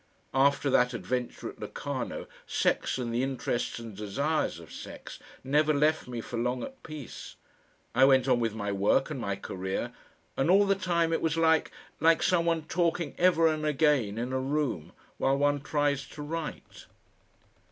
After that adventure at Locarno sex and the interests and desires of sex never left me for long at peace. I went on with my work and my career, and all the time it was like like someone talking ever and again in a room while one tries to write.